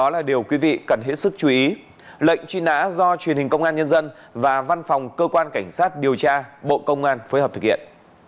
lệnh truy nã do truyền hình công an nhân dân và văn phòng cơ quan cảnh sát điều tra bộ công an phối hợp thực hiện